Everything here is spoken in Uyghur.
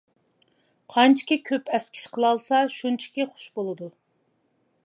قانچىكى كۆپ ئەسكى ئىش قىلالىسا شۇنچىكى خوش بولىدۇ.